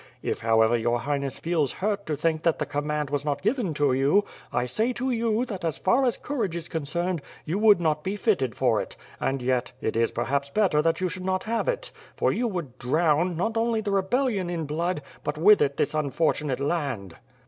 .. If, however, your Highness feels hurt to think that the command was not given to you, I say to you, that as far as courage is concerned, you would be fitted for it; and yet, it is perhaps better that you should not have it; for you would drown, not only the rebellion in blood, but with it this unfortunate land."